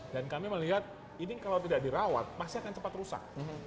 dan kami melihat ini kalau tidak dirawat masih akan cepat rusak